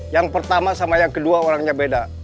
yang pertama sama yang kedua orangnya beda